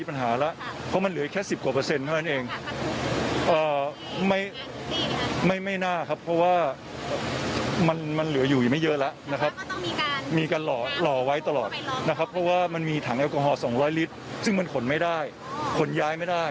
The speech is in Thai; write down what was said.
เพราะมันเหลือแค่สิบกว่าเปอร์เซ็นต์เพราะฉะนั้นเองไม่ไม่น่าครับเพราะว่ามันมันเหลืออยู่ไม่เยอะแล้วนะครับมีการหล่อไว้ตลอดนะครับเพราะว่ามันมีถังแอลกอฮอล์สองร้อยลิตรซึ่งมันขนไม่ได้ขนย้ายไม่ได้